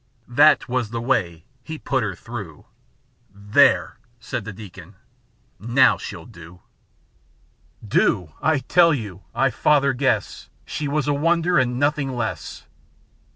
That was the way he " put her through " â "There I" said the deacon, "naow she'll dew I" Do I I tell you, I rather guess She was a wonder, and nothing less.